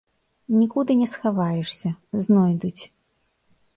Нікуды не схаваешся, знойдуць.